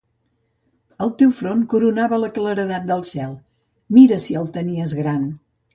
El teu front coronava la claredat del cel. Mira si el tenies gran!